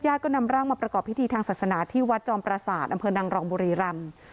ก็นำร่างมาประกอบพิธีทางศาสนาที่วัดจอมประสาทอำเภอนางรองบุรีรำ